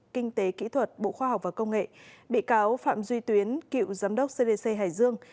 kinh tế kỹ thuật bộ khoa học và công nghệ bị cáo phạm duy tuyến cựu giám đốc cdc hải dương